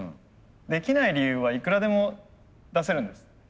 できない理由はいくらでも出せるんです。